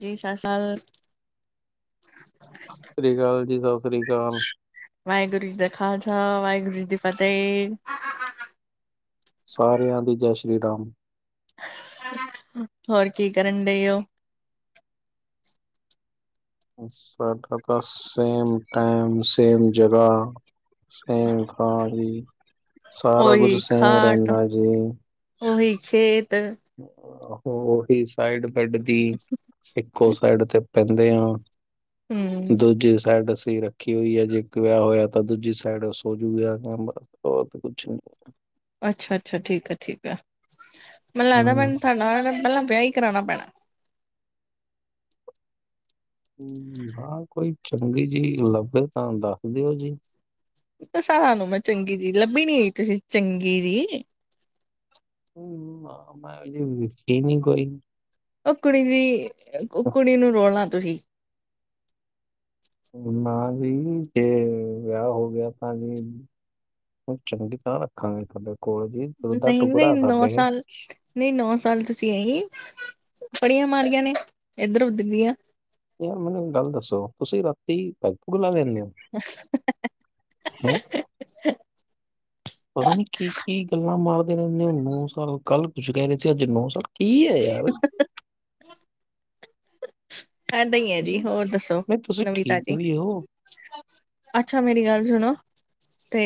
ਜੀ, ਸਸਾਲ ਸਾਸ੍ਰੀ ਕਾਲ ਜੀ, ਸਾਸ੍ਰੀ ਕਾਲ। ਵਾਹਿਗੁਰੂ ਜੀ, ਦਾ ਖ਼ਾਲਸਾ ਵਾਹਿਗੁਰੂ ਜੀ, ਦੀ ਫ਼ਤਿਹ ਸਾਰਿਆਂ ਦੀ, ਜੈ ਸ਼੍ਰੀ ਰਾਮ ਹੋਰ ਕੀ ਕਰਨ ਡਈ ਉਹ। ਸਾਡਾ ਤਾਂ ਸੇਮ ਟਾਈਮ ਸੇਮ ਜਗ੍ਹਾ। ਸੇਮ ਥਾਂ ਜੀ ਸਾਰਾ ਕੁਝ ਉਹੀ ਸੇਮ ਖਾਟ ਰਹਿੰਦਾ ਜੇ। ਉਹੀ ਖੇਤ ਹੀ [unintelligible] ਸਾਈਡ ਬੈਡ ਦੀ, ਇੱਕੋ ਸਾਈਡ ਤੇ, ਪੈਂਦੇ ਆ! ਹਮ ਦੂਜੀ ਸਾਈਡ ਅਸੀ ਰੱਖ ਕੀ ਹੋਈ ਆ ਜੇ ਇੱਕ ਵਿਆਹ ਹੋਇਆ ਤਾਂ ਦੂਜੀ ਸਾਈਡ ਸੋਜੂਗਾ ਉਹ ਤੇ ਕੁਛ ਨ। ਅੱਛਾ, ਅੱਛਾ, ਠੀਕ ਆ, ਠੀਕ ਆ! ਮੈਨੂੰ ਲਗਦਾ ਪਿਆ ਹਮ ਨਾ, ਤੁਹਾਡੇ ਨਾਲ ਪਹਿਲਾਂ ਵਿਆਹ ਹੀ ਕਰਾਉਣਾ ਪੈਣਾ। ਹਾਂ ਕੋਈ ਚੰਗੀ ਜਿ ਲੱਭੇ ਤਾਂ ਦੱਸ ਦਿਓ ਜੀ ਸਾਰਿਆਂ ਨੂੰ ਮੈਂ ਚੰਗੀ ਜਿਹੀ ਲੱਭੀ ਨਹੀਂ ਤੁਸੀਂ ਚੰਗੀ ਜਿਹੀ। ਨਾ ਮੈਂ ਵੇਖੀ ਨਹੀਂ ਕੋਈ ਉਹ ਕੁੜੀ ਦੀ, ਉਹ ਕੁੜੀ ਨੂੰ, ਰੋਲਣਾ ਤੁਸੀਂ ਨਾ ਜੀ ਜੇ ਵਿਆਹ ਹੋ ਗਿਆ ਤਾਂ ਜੀ। ਚੰਗੀ ਤਰ੍ਹਾਂ ਰੱਖਾਂਗੇ ਤੁਹਡੇ ਕੋਲ ਜੀ ਦੁੱਧ ਦਾ ਨਹੀਂ, ਨਹੀਂ ਟੁਕੜਾ ਨੌ ਸਾਡੇ ਸਾਲ ਨਹੀਂ, ਨੌ ਸਾਲ ਤੁਸੀਂ ਆਈ ਫੜੀਆਂ ਮਾਰੀਆਂ ਨੇ, ਇੱਧਰ ਉੱਧਰ ਦੀਆਂ ਯਾਰ ਮੈਨੂੰ ਇੱਕ ਗੱਲ ਦੱਸੋ ਤੁਸੀਂ ਰਾਤੀ ਪੈਗਪੂਡ ਲਾ ਲੈਂਦੇ ਹੋ ਅੱਛਾ ਹੈਂ। ਸ ਪਤਾ ਨੀ ਕੀ ਕੀ ਗੱਲਾਂ ਮਾਰਦੇ ਰਹਿੰਦੇ ਉਹ ਨੌ ਸਾਲ ਕੱਲ੍ਹ ਕੁੱਛ ਕਹਿ ਰਹੇ ਸੀ ਅੱਜ ਨੌ ਸਾਲ ਕੀ, ਹੈ ਯਾਰ ਏਦਾਂ ਹੀ ਹੈ ਜੀ, ਤੁਸੀਂ ਹੋਰ ਦੱਸੋ, ਮੈਂ ਤੁਸੀਂ ਨਵੀ ਠੀਕ ਤਾਜੀ ਵੀ ਹੋ ਅੱਛਾ ਮੇਰੀ ਗੱਲ ਸੁਣੋ ਤੇ।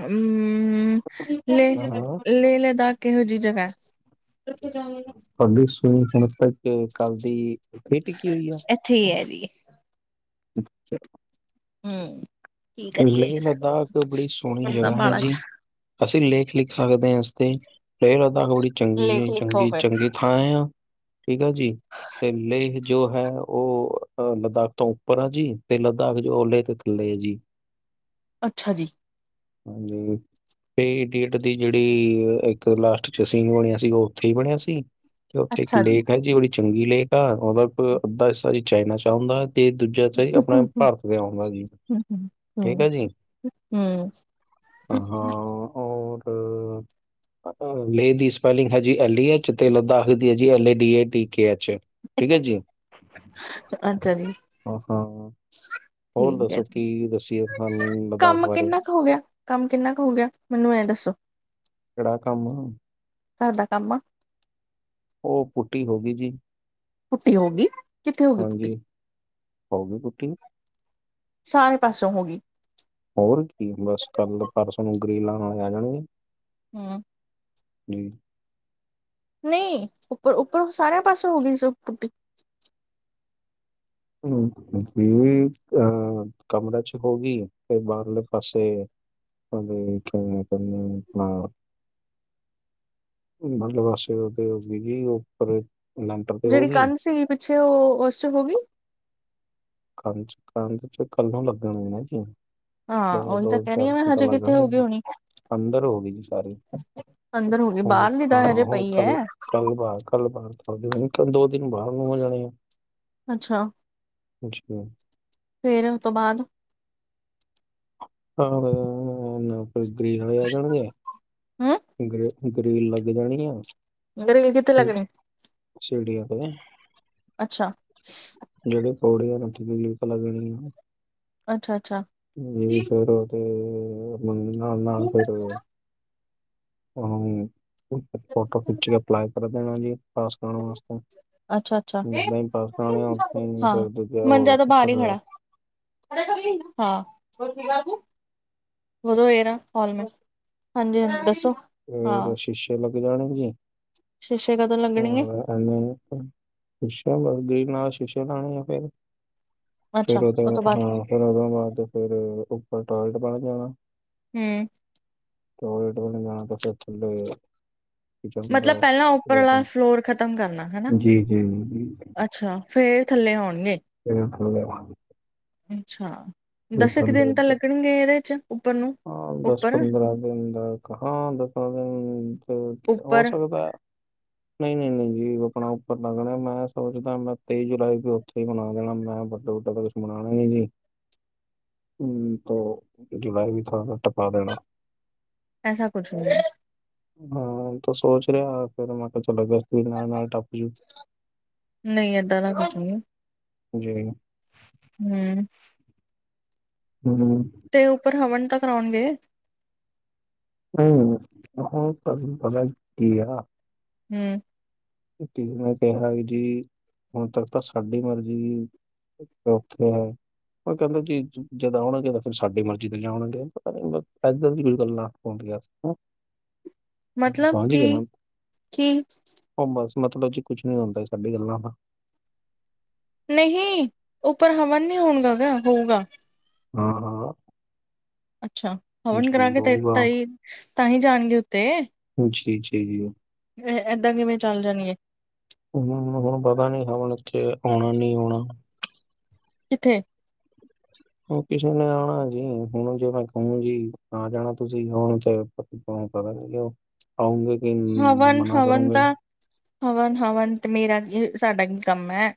ਹੂ ਹਾਂ ਲੇਦਾਖ ਕਿਹੋ ਜਿਹੀ ਜਗ੍ਹਾ। ਤੁਹਾਡੀ ਸੁਣੀ ਹੁਣ। ਤੱਕ ਕੱਲ ਦੀ ਫਿੱਟ ਕੀ ਇੱਥੇ ਹੀ ਹੈ ਜੀ। ਅੱਛਾ। ਹੂ ਕੀ ਕਰੀਏ। ਲਦਾਖ ਬੜੀ ਸੋਹਣੀ ਬੰਦਾ ਜਗ੍ਹਾ ਹੈ ਮਾੜਾ ਜ ਜੀ ਅਸੀਂ ਲੇਖ ਲਿਖ ਸਕਦੇ ਹੈ! ਇਸ ਤੇ ਇਹ ਲਹੋੜੀ ਚੰਗੀ ਲੇਖ ਜਾ ਲਿਖੋ ਚੰਗੀ, ਫਿਰ ਚੰਗੀ ਖਾ, ਆ ਠੀਕ ਆ ਜੀ ਤੇ ਲੇਹ ਜੋ, ਹੈ ਉਹ ਲਦਾਖ ਤੋਂ ਉੱਪਰ ਆ। ਜੀ ਤੇ ਲਦਾਖ ਜੋਓ ਲੇਹ ਤੇ ਥੱਲੇ ਹੈ ਜੀ ਅੱਛਾ ਜੀ। ਹਾਂਜੀ ਡੇਟ ਦੀ ਜਿਹੜੀ ਇੱਕ ਲਾਸਟ ਚ ਸੀਨ ਬਣਿਆ ਸੀ ਉਹ ਉੱਥੇ ਹੀ ਬਣਿਆ ਸੀ। ਤੇ ਉੱਥੇ ਇੱਕ ਲੇਕ ਹੈ! ਜੀ ਬੜੀ ਚੰਗੀ ਲੇਕ ਆ! ਮਤਲਬ ਕੋ ਅੱਧਾ ਹਿੱਸਾ ਜੀ ਚਾਈਨਾ ਚਾਾਹੁੰਦਾ ਤੇ ਦੂਜਾ ਤਾਂ ਜਾ ਆਪਣਾ ਭਾਰਤ ਦਾ ਆਉਂਦਾ ਜੀ। ਹੂ। ਠੀਕ ਹੈ ਜੀ ਹਾਂ ਹੋਰ ਲੇਹ ਦੀ ਸਪੈਲਿੰਗ ਹਜੀ ਐਲੀ ਐਚ ਤੇ ਲਦਾਖ ਦੀ ਹੈ ਐਲ ਏ ਡੀ ਡੀ। ਠ ਠੀਕ ਜੀ [unintelligible] ਅੱਛਾ ਜੀ। ਹੋ ਹੋ। ਹ ਠੀਕ ਹੈ ਜੀ ਤੁਹਾਨੂੰ ਲਦਾਖ ਕੰਮ ਬਾਰੇ ਕਿੰਨਾ ਕੁ, ਹੋ ਗਿਆ ਕੰਮ ਕਿੰਨਾ ਕੁ, ਹੋ ਗਿਆ! ਮੈਨੂੰ ਇਹ ਦੱਸੋ ਕਿਹੜਾ ਕੰਮ ਆ! ਘਰ ਦਾ ਕੰਮ ਆ? ਉਹ ਪੁੂਟੀ ਹੋ ਗਈ ਜੀ। ਪੁੱਟੀ, ਹੋਗੀ ਕਿੱਥੇ ਹੋਗੀ, ਪੁੱਟੀ ਹਾਂਜੀ ਹੋ ਗਈ ਪੁੱਟੀ ਸਾਰੇ ਪਾਸਓ ਹੋ ਗਈ ਹੋਰ ਕੀ ਬਸ ਕੱਲ ਪਰਸੋਂ ਨੂੰ ਉਂਗਲੀ ਲਾਉਣ ਨਾਲੇ ਆ ਜਾਣਗੇ। ਹਾ। ਹੀ ਨਹੀਂ ਉੱਪਰ ਉੱਪਰ ਸਾਰਿਆਂ ਪਾਸੇ ਹੋ ਗਈ ਪੁੱਟੀ। ਹੂ ਠੀਕ ਆ ਕਮਰੇ ਚੋ ਹੋ, ਗੇ ਤੇ ਬਾਹਰਲੇ ਪਾਸੇ ਹਾਂ। ਮਲਵਾਸੇ ਉਹਦੇ ਹੋ‍ਗਿਆ ਜੀ ਉੱਪਰ। ਲੈਂਟਰ ਤੇ ਹੋ ਜਿਹੜੀ ਗਈ ਕੰਧ ਸੀਗੀ ਪਿੱਛੇ ਉਹ ਉਸ ਚ, ਹੋ ਗਈ ਕੰਧ, ਕੰਧ 'ਚ ਇਕੱਲਾ ਲੱਗਣ ਨਾ ਜੀ ਹਾਂ ਦੋ, ਉਹੀ ਤਾਂ ਦੋ ਕਹਿ ਰਹੀ ਚਾਰ ਹਾਂ ਮੈਂ ਦਿ ਤਾਂ ਹਜੇ ਕਿੱਥੇ ਲੱਗਣਾ ਹੋ ਸੀ ਗਈ ਹੋਣੀ ਅੰਦਰ ਹੋ ਗਈ ਜੀ ਸਾਰੀ, ਅੰਦਰ ਹੋ ਗਈ ਹੁਣ ਬਾਹਰਲੀ ਤਾਂ ਖਾਣਾ ਹਜੇ ਹੁਣ ਪਈ ਹੈ ਕੱਲ, ਕੱਲ ਬਾਗ- ਗੱਲ ਬਾਹਾਰ ਤਾਂ ਦੋ ਦਿਨ ਬਾਹਰ ਨੂੰ ਹੋ ਜਾਣੇ ਆ। ਅੱਛਾ ਅੱਛਾ ਫਿਰ ਉਤੋਂ ਬਾਅਦ ਹਾਂ [unintelligible] ਤੇ ਗ੍ਰੀਨ ਵਾਲ ਹਮ [unintelligible] ਰੀਲ ਲੱਗ ਜਾਣੀ ਆ। ਗਰਲੇ ਕਿੱਥੇ ਲਗਣੀ ਸੜੀਆ ਤੇ ਅੱਛਾ। ਜਿਹੜੇ ਕੌੜੇ ਉਹਨਾ ਤੇ ਲੇਪ, ਲੱਗਣੀ ਆ ਅੱਛਾ, ਅੱਛਾ। ਜੀ ਫਿਰ ਉਹ ਤੇ ਮੰਮੀ ਨਾਲ-ਨਾਲ ਫਿਰ ਹਮ ਫੋਟੋ ਖਿੱਚ ਕੇ ਅਪਲਾਈ ਕਰ ਦੇਣਾ ਜੀ। ਪਾਸਪੋਰਟ ਵਾਸਤੇ। ਅੱਛਾ ਅੱਛਾ ਘਰਦੇ ਹਾਂ ਪਏ ਮੰਜਾ ਹੋ। ਤਾਂ ਬਾਹਰ ਹੀ ਖੜਾ [unintelligible] ਹਾਂ। ਵਧੋਂ ਏਦਾ ਫਾਰਮਸ ਹਾਂਜੀ-ਹਾਂਜੀ ਦੱਸੋ? ਹਾਂ ਫੇਰ ਸ਼ੀਸ਼ੇ ਲੱਗ ਜਾਣੇ ਜੀ। ਸ਼ੀਸ਼ੇ ਕਦੋਂ ਲੱਗਣਗੇ। ਸ਼ਿਸ਼ ਲੇਣੀ ਹੈ ਫੇਰ। ਫਿਰ ਅੱਛਾ ਉਦੋਂ ਉਹ ਤੋਂ ਬਾਅਦ ਹਾਂ ਫਿਰ ਉਦੋਂ ਬਾਅਦ ਫਿਰ ਉੱਪਰ ਟੋਲਟ ਪਾ ਦੇਣਾ। ਹੂੰ ਟੋਇਲੇਟ ਬਨਵਾ ਕੇ ਫਿਰ ਥੱਲੇ ਕਿਚਨ ਦਾ ਉਪਰਲਾ ਕਰਦਾ ਫਲੋਰ ਖ਼ਤਮ ਕਰਨਾ ਹਨਾ ਅੱਛਾ ਫੇਰ ਥੱਲੇ ਹੋਣਗੇ। [unintelligible] ਅੱਛਾ। ਫਿਰ ਦਸ ਕੁ ਥੱਲੇ ਦਿਨ ਤਾਂ ਦ- ਲੱਗਣਗੇ ਏਹਦੇ ਚ ਉੱਪਰ ਨੂੰ। ਹਾਂ ਦਸ ਉੱਪਰ ਪੰਦਰਾਂ ਦਿਨ ਦਾ ਹਾਂ ਦਸ ਦਿਨ ਹੋ ਉੱਪਰ ਸਕਦਾ। ਨਈ-ਨਈ ਨੀ ਜੀ ਆਪਣਾ ਉੱਪਰ ਲੱਗਣਾ ਮੈਂ ਸੋਚਦਾ ਮੈਂ ਤੇਈ ਜੁਲਾਈ ਵੀ ਓਥੇ ਹੀ ਹੁਣ ਆ ਜਾਣਾ ਮੈਂ ਵੱਡੋ ਵੱਡਾ ਹੁਣ ਆਣਾ ਈ ਨੀ। ਹੂੰ ਤੋਂ ਜਵਾਈ ਵੀ ਥੋੜਾ ਸਾ ਟਪਾ ਦੇਣਾ। ਐਸਾ ਕੁਛ ਨੀ ਏ। ਹਾਂ ਤਾਂ ਸੋਚ ਰਿਹਾ ਫੇਰ ਮੈਂ ਕਿਹਾ ਚਲੋ ਅਗਸਤ ਵੀ ਨਾਲ-ਨਾਲ ਟੱਪ ਜੂ। ਨਈ ਏਦਾਂ ਦਾ ਕੁਛ ਨੀ ਏ। ਜੀ ਹੂੰ ਹੂੰ। ਤੇ ਉੱਪਰ ਹਵਨ ਤਾਂ ਕਰਾਉਣਗੇ। ਹੂੰ-ਹੂੰ, ਤਾਂ ਪਤਾ ਕੀ ਆ? ਹੂੰ। ਤੇ ਮੈਂ ਕਿਹਾ ਜੀ ਹੁਣ ਤਕ ਤਾ ਸਾਡੀ ਮਰਜੀ। ਓਕੇੇ। ਮ ਕਹਿੰਦਾ ਕਿ ਜਦ ਆਉਣਗੇ ਤਾਂ ਫੈਰ ਸਾਡੇ ਮਰਜ਼ੀ ਦੇ ਲਿਆ ਆਉਣਗੇ ਪਤਾ ਨੀ ਐਦਾਂ ਦੀ ਕੋਈ ਗੱਲਾ ਹੋਂਦੀਆ। [unintelligible] ਮਤਲਬ ਕਿ, ਕੀ? ਓ ਬਸ ਮਤਲਬ ਕਿ ਕੁਛ ਨੀ ਹੁੰਦਾ ਸਾਡੀ ਗੱਲਾਂ ਦਾ। ਨਹੀਂ, ਉੱਪਰ ਹਵਨ ਨਹੀਂ ਹੁੰਦਾ ਪਿਆ, ਹੋਊਗਾ। ਹਾਂ-ਹਾਂ। ਅੱਛਾ ਹਵਨ ਕਰਾ ਕੇ ਤੇ ਹੋਊਗਾ ਤਈ ਤਾਂਹੀ ਜਾਣਗੇ ਉੱਤੇ। [unintelligible] ਚਾਈਦੀ ਐ। ਏਦਾਂ ਕਿਵੇਂ ਚੱਲ ਜਾਣਗੇ? ਹੂੰ, ਹੁਣ ਪਤਾ ਨੀ ਹੁਣ ਇਥੇ ਆਉਣਾ ਨੀ ਆਉਣਾ। ਕਿੱਥੇ? ਹ ਕਿਸੇ ਨੇ ਆਣਾ ਜੀ ਹੁਣ ਜੇ ਮੈਂ ਕਹੂੰ ਜੀ ਆ ਜਾਣਾ ਤੁਸੀ ਹੁਣ ਤੇ ਹੁਣ ਪਤਾ ਨੀ ਕਿਉ ਆਉਂਗੇ ਕਿ ਮਨਾ ਕਰੋਂਗੇ। ਹਵਨ-ਹਵਨ ਤੇ ਮੇਰਾ ਕੀ ਸਾਡਾ ਕੀ ਕੰਮ ਹੈ।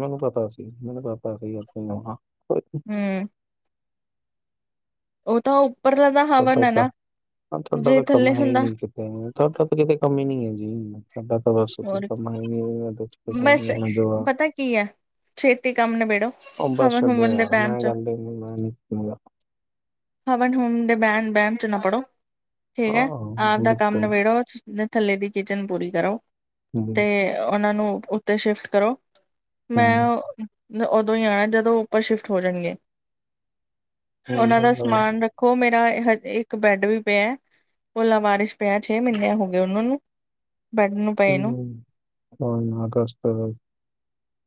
ਮੈਨੂੰ ਪਤਾ ਸੀ ਮੈਨੂੰ ਪਾਪਾ ਸੀ ਆਪੇ ਨੋ ਹਾ। ਹੂੰ ਓ ਤਾਂ ਉਪਰਲਾ ਦਾ ਹਵਨ ਤੁਹਾਡਾ ਐ ਤਾਂ ਨਾ, ਜੇ ਥੱਲੇ ਹੁੰਦਾ ਹੂੰ [unintelligible] ਤਾਂ ਕਿਤੇ ਕਮੀ ਨੀ ਹੈ ਜੀ। ਹੋਰ ਬਸ ਪਤਾ [unintelligible] ਕੀ ਹੈ ਛੇਤੀ ਕੰਮ ਨਿਬੇੜੋ ਹਵਨ-ਹੁਵਨ ਦੇ ਟੈਮ ਚ ਸੰਡੇ ਨੂੰ ਮੈ ਨੀ ਮਿਲਣਾ। ਹਵਨ ਹੁਵਨ ਦੇ ਬਹਿ ਬਹਿਮ ਚ ਨਾ ਪੜ੍ਹੋ ਠੀਕ ਐ ਆਪ ਦਾ ਕੰਮ ਨਿਬੇੜੋ। ਥੱਲੇ ਦੀ ਕਿਚਨ ਪੂਰੀ ਕਰੋ, ਤੇ ਉਨਾਂ ਨੂੰ ਉੱਤੇ ਸ਼ਿਫਟ ਕਰੋ। ਮੈਂ ਉਦੋਂ ਈ ਆਣਾ ਜਦੋਂ ਉੱਪਰ ਸ਼ਿਫਟ ਹੋ ਜਾਣਗੇ। ਓਨਾਂ ਦਾ ਖੋ ਮੇਰਾ ਹਜੇ ਇੱਕ ਬੈਡ ਵੀ ਪਿਆ ਐ, ਓ ਲਾਵਾਰਿਸ ਪਿਆ ਛੇ ਮਹੀਨੇ ਹੋ ਤੇ ਉਨਾਂ ਨੂੰ ਬੈਡ ਨੂੰ ਪਏ ਨੂੰ [unintelligible] ਹੁਣ ਅਗਸਤ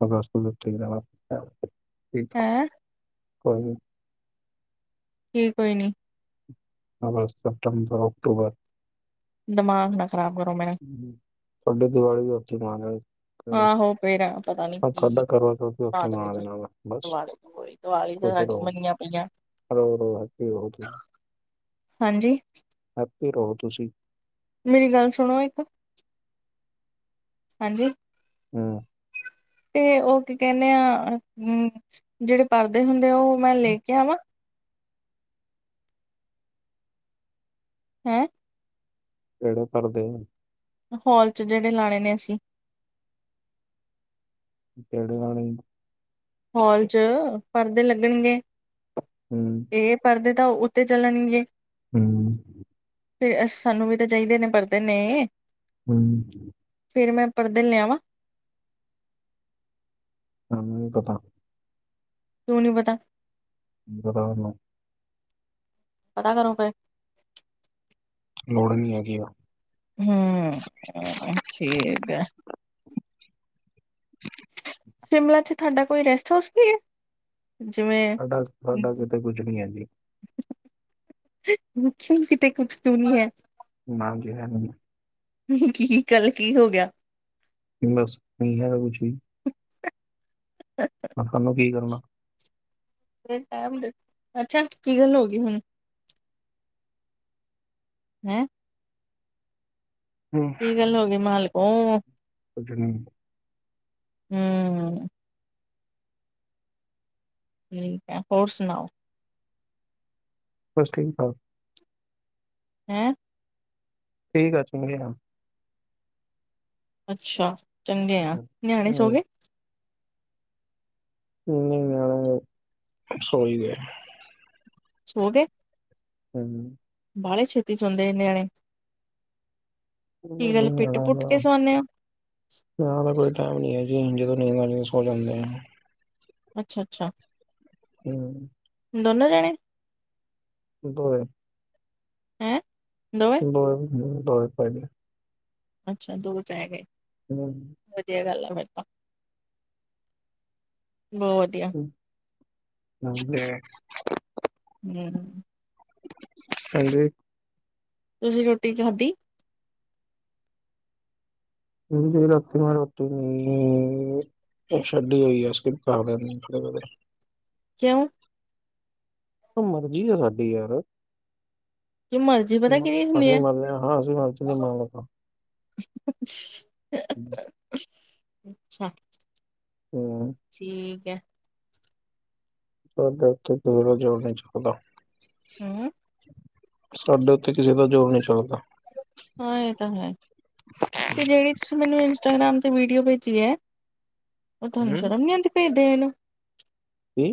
ਅਗਸਤ ਵਿੱਚ ਚਲੀ ਜਾਨਾ [unintelligible] ਠੀਕ ਹੈਂ ਕੋਈ ਨੀ। ਕੀ ਕੋਈ ਨੀ। ਅਗਸਤ, ਸੈਪਟਂਬਰ, ਅਕਟੋਬਰ। ਦਮਾਗ ਨਾ ਖ਼ਰਾਬ ਕਰੋ ਮੇਰਾ। ਤੁਆਡੀ ਦੀਵਾਲੀ ਵੀ ਉੱਥੇ ਮਨਾਲਾਂਗੇ। ਆਹੋ ਪੇਰਾ ਪਤਾ ਨੀ ਕੀ ਕਰਵਾ ਚੌਥ ਵੀ ਉੱਥੇ ਮਨਾ ਲੈਣਾ ਵਾ ਬਸ [unintelligible] ਓਈ ਦਵਾਲੀ ਤੇ ਸਾਡੀ ਮੰਨੀਆਂ ਪਈਆਂ। ਰੋ ਰੋ ਹਸਤੀ ਰੋ ਤੁਸੀ। ਹਾਂਜੀ। ਹੈਪੀ ਰੋ ਤੁਸੀ। ਮੇਰੀ ਗੱਲ ਸੁਣੋ ਇੱਕ। ਹਾਂਜੀ। ਹੂੰ। ਤੇ ਓ ਕੀ ਕੈਨੇ ਆ ਮ ਜੇੜੇ ਪੜਦੇ ਹੁੰਦੇ ਆ, ਓ ਮੈਂ ਲੇ ਕੇ ਆਵਾਂ। ਹੈਂ। ਕੇੜੇ ਪਰਦੇ? ਹੋਲ ਚ ਜੇੜੇ ਲਾਣੇ ਨੇ ਅਸੀਂ। ਕੇੜੇ ਲਾਨੇ ਈ। ਹਾਲ ਚ ਪਰਦੇ ਲੱਗਣਗੇ ਹੂੰ ਏ ਪਰਦੇ ਤਾਂ ਉ ਤੇ ਚੱਲਣਗੇ। ਹੂੰ। ਫਿਰ ਅ ਸਾਨੂੰ ਵੀ ਤਾਂ ਚਾਈਦੇ ਨੇ ਪਰਦੇ ਨੇ। ਹੂੰ। ਫਿਰ ਮੈਂ ਪਰਦੇ ਲਿਆਵਾਂ। ਸਾਨੂੰ ਨੀ ਪਤਾ। ਕਿਉ ਨੂੰ ਪਤਾ। ਬਾਜ਼ਾਰ ਨੂੰ ਪਤਾ ਕਰੋ ਫੇਰ। ਲੋੜ ਈ ਨੀ ਹੈਗੀ ਆ। ਹੂੰ, ਠੀਕ ਐ। [inaudible] ਸ਼ਿਮਲਾ ਚ ਤੈਡਾ ਕੋਈ ਰੈਸਟ ਹਾਊਸ ਵੀ ਐ। ਜਿਵੇਂ ਸਾਡਾ, ਸਾਡਾ ਕਿਤੇ ਕੁਝ ਨੀ ਐ ਜੀ। ਵੇਖੀਂ ਕਿਤੇ ਕੁਛ ਕਿਉਂ ਨੀ ਹੈ। ਮਾਨਜੀ‌ ਹੈਨਾ ਜੀ। ਕੀ ਕੱਲ ਕੀ ਹੋ ਗਿਆ? ਬਸ ਈਹਾ ਓ ਜੀ। ਅੱਛਾ। ਅ ਸਾਨੂੰ ਕੀ ਕਰਨਾ? [unintelligible] ਅੱਛਾ, ਕੀ ਗੱਲ ਹੋ ਗਈ ਹੁਣ? ਹੈਂ। ਹਮ, ਕੀ ਗੱਲ ਹੋਗੀ ਮਾਲਕੋ? ਕੁੱਛ ਨੀ। ਹੂੰ। ਠੀਕ ਐ। ਹੋਰ ਸੁਣਾਓ। ਬਸ ਕਿਰਪਾ। ਹੈਂ। ਠੀਕ ਆ, ਚੰਗੇ ਆ। ਅੱਛਾ ਚੰਗੇ ਆ। ਹਮ, ਨਿਆਣੇ ਸੋ ਗਏ? ਨੀ ਯਾਰ, ਸੋਈ ਗੇ। ਸੋਗੇ। ਹੂੰ। ਬਾਹਲੇ ਛੇਤੀ ਸੋਦੇ ਨਿਆਣੇ। ਕੀ ਗੱਲ ਨਿਆਣਿਆਂ ਪਿੱਟ-ਪੁੱਟ ਕੇ ਸੁਵਾਂਦੇ ਹੋ। ਇਨਾ ਦਾ ਕੋਈ ਟਾਈਮ ਨੀ ਜੀ। ਜਦੋਂ ਨੀਂਦ ਆ ਜਾਏ ਸੋ ਜਾਂਦੇ ਆ। ਅੱਛਾ-ਅੱਛਾ। ਹੂੰ। ਦੋਨੋ ਜਾਣੇ। ਦੋਏ। ਹੈਂ। ਦੋ ਹੋਰ ਉਹਨੂੰ ਦੋਏ ਪੈਂ ਗੇ। ਅੱਛਾ, ਦੋ ਰਹਿ ਗਏ। ਹੂੰ। ਵਧੀਆ ਗੱਲ ਆ ਫੇਰ ਤਾਂ, ਬਹੁਤ ਵਧੀਆ। ਹੁਨ ਤੇ। ਹੂੰ ਹਾਂਜੀ। ਤੁਸੀਂ ਰੋਟੀ ਖਾਧੀ? ਮੈਂ ਰਾਤੀ ਰੋਟੀ ਨੀ ਇਹ ਛੱਡੀ ਹੋਈ ਆ। ਸਕਿਪ ਕਰ ਲੈਦੇ ਦ ਕਿਉਂ। ਮਰਜ਼ੀ ਆ ਸਾਡੀ ਯਾਰ। ਕਿ ਮਰਜ਼ੀ ਪਤਾ ਮਰ ਕਿਹਦੀ ਹੁੰਦੀ ਅਸੀ ਹੈ ਮਰੇ ਹਾਂ। ਅਸੀਂ ਮਰ ਜੀਏ ਨਹੀਂ ਮਾਰਨੇ ਤਾਂ। [inaudible] [inaudible] ਅੱਛਾ। ਹੂੰ। ਠੀਕ ਹੈ। ਸਾਡੇ ਉੱਤੇ ਕਿਸੇ ਜੋਰ ਨੀ ਚੱਲਦਾ। ਹੂੰ। ਸਾਡੇ ਉੱਤੇ ਕਿਸੇ ਦਾ ਜ਼ੋਰ ਨਹੀਂ ਚੱਲਦਾ। ਹਾਂ, ਇਹ ਤਾਂ ਹੈ। ਤੇ ਜਿਹੜੀ ਤੁਸੀਂ ਮੈਨੂੰ ਇੰਸਟਾਗ੍ਰਾਮ ਤੇ ਵੀਡੀਓ ਭੇਜੀ ਹੈ। ਉਹ ਤੁਹਾਨੂੰ ਹੂੰ ਸ਼ਰਮ ਨੀ ਆਂਦੀ ਭੇਜ ਦੇ ਨੂੰ। ਕੀ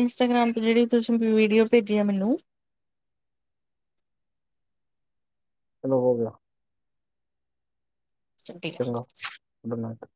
ਇੰਸਟਾਗ੍ਰਾਮ ਤੇ ਜਿਹੜੀ ਤੁਸੀਂ ਵੀਡੀਓ ਭੇਜੀ ਐ ਮੈਨੂੰ ਤੈਨੂੰ ਹੋਰ ਭੇਜੇ [inaudible] ਗੱਲਾਂ ਕਰ।